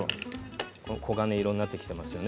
黄金色になってきていますよね。